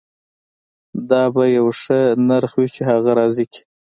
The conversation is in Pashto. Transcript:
دا به یو ښه نرخ وي چې هغه راضي کړي